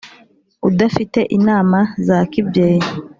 udafite inama za kibyeyi,